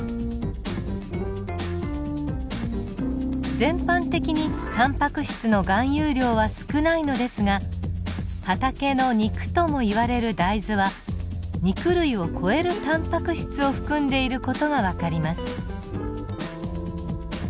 全般的にタンパク質の含有量は少ないのですが畑の肉とも言われる大豆は肉類を超えるタンパク質を含んでいる事が分かります。